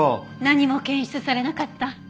何も検出されなかった。